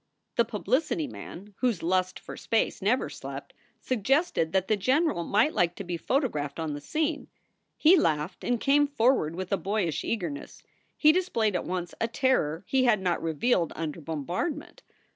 The publicity man, whose lust for space never slept, suggested that the general might like to be photographed on the scene. He laughed and came forward with a boyish eagerness. He displayed at once a terror he had not revealed under bombardment.